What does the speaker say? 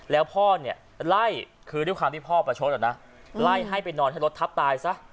แล้วพ่อเนี่ยไล่คือด้วยความที่พ่อประชดไล่ให้ไปนอนให้รถทับตายซะ